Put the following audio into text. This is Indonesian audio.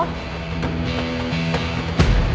lo bisa sebut manfaat dua pak